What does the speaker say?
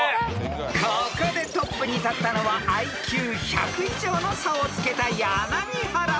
［ここでトップに立ったのはＩＱ１００以上の差をつけた柳原ペア］